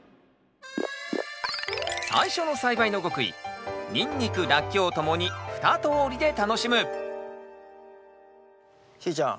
最初の栽培の極意ニンニクラッキョウともに２通りで楽しむしーちゃん。